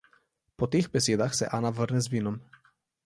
Po teh besedah se Ana vrne z vinom.